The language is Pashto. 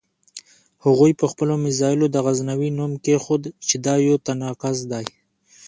هغوی په خپلو مزایلو د غزنوي نوم کېښود چې دا یو تناقض دی.